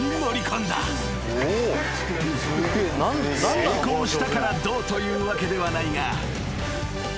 ［成功したからどうというわけではないが］